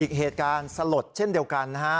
อีกเหตุการณ์สลดเช่นเดียวกันนะฮะ